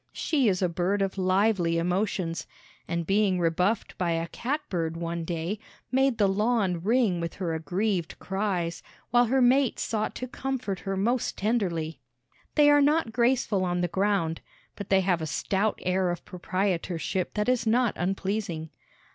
She is a bird of lively emotions, and being rebuffed by a catbird one day, made the lawn ring with her aggrieved cries, while her mate sought to comfort her most tenderly. They are not graceful on the ground, but they have a stout air of proprietorship that is not unpleasing.